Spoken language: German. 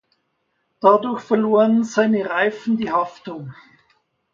Dadurch verloren seine Reifen die Haftung.